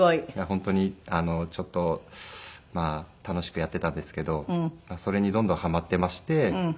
本当にちょっとまあ楽しくやっていたんですけどそれにどんどんハマっていまして。